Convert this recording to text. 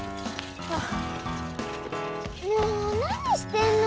もう何してんの！